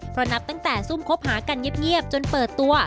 เพราะนับตั้งแต่ซุ่มคบหากันเงียบจนเปิดตัว